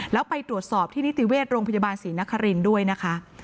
แล้วไปตรวจสอบที่นิติเวชโรงพยาบาลศรีนครินทร์ด้วยนะคะ